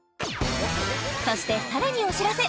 そしてさらにお知らせ